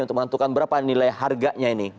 untuk menentukan berapa nilai harganya ini